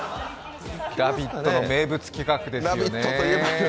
「ラヴィット！」の名物企画ですよね。